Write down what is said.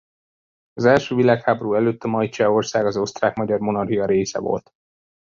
Az első világháború előtt a mai Csehország az Osztrák–Magyar Monarchia része volt.